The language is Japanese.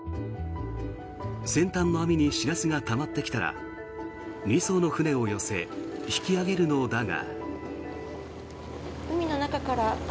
先端の網にシラスがたまってきたら２艘の船を寄せ引き揚げるのだが。